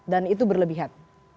dan itu berlebihan